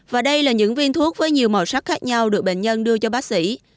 và đây là những viên thuốc với nhiều màu sắc khác nhau được bệnh nhân đưa cho bác sĩ